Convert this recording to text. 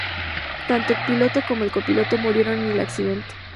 Tanto el piloto como el copiloto murieron en el accidente.